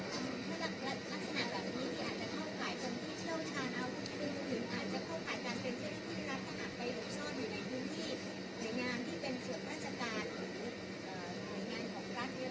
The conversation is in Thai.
อันนี้อาจจะเข้าฝ่ายจนที่เที่ยวชาญอาวุธหรืออาจจะเข้าฝ่ายการเซ็นเซ็นที่ที่รัฐจะหักไปหลบซ่อนอยู่ในพื้นที่